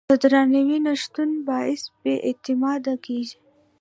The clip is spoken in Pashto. د درناوي نه شتون باعث بې اعتمادي کېږي.